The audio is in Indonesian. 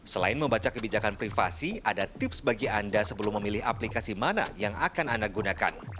selain membaca kebijakan privasi ada tips bagi anda sebelum memilih aplikasi mana yang akan anda gunakan